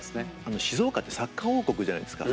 静岡ってサッカー王国じゃないですか。